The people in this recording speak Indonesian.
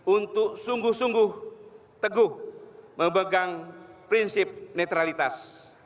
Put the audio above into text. untuk sungguh sungguh teguh memegang prinsip netralitas